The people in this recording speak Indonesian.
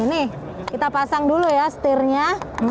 ini kita pasang dulu ya setirnya